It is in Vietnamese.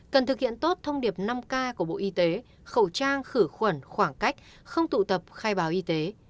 cần thực hiện tốt thông điệp năm k của bộ y tế khẩu trang khử khuẩn khoảng cách không tụ tập khai báo y tế